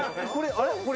あれ？